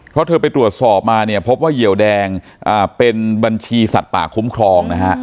เพราะเธอไปตรวจสอบมาเนี่ยพบว่าเหยียวแดงเป็นบัญชีสัตว์ป่าคุ้มครองนะฮะ